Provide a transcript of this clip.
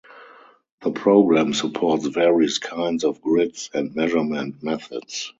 The program supports various kinds of grids and measurement methods.